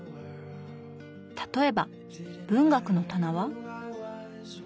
例えば文学の棚は。